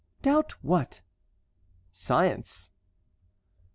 "Doubt what?" "Science."